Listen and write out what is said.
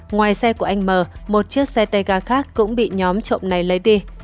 ngoài xe của anh m một chiếc xe tega khác cũng bị nhóm trộm này lấy đi